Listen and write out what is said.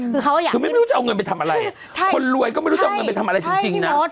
คือเขาคือไม่รู้จะเอาเงินไปทำอะไรคนรวยก็ไม่รู้จะเอาเงินไปทำอะไรจริงนะ